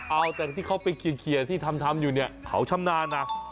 เอาแต่ที่เขาไปเคลียร์ที่ทำอยู่เนี่ยเขาชำนาญนะ